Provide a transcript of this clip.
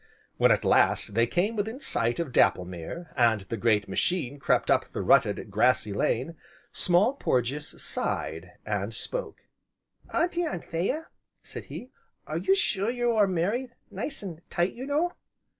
When, at last, they came within sight of Dapplemere, and the great machine crept up the rutted, grassy lane, Small Porges sighed, and spoke: "Auntie Anthea," said he, "are you sure that you are married nice an' tight, you know?"